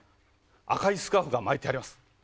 赤いスカーフが巻いてあります。